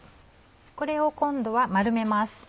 これを今度は丸めます。